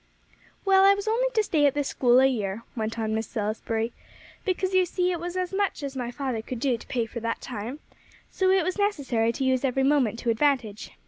"Well, I was only to stay at this school a year," went on Miss Salisbury, "because, you see, it was as much as my father could do to pay for that time; so it was necessary to use every moment to advantage.